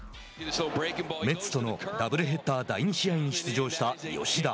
メッツとのダブルヘッダー第２試合に出場した吉田。